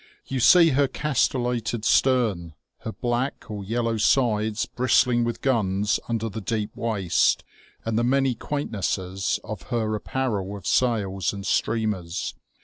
You see her castellated stern, her black or yellow sides bristling with guns under the deep waist, and the many quaint nesses of her apparel of sails and streamers.